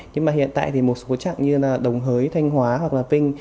nhưng mà hiện tại thì một số trạng như là đồng hới thanh hóa hoặc là vinh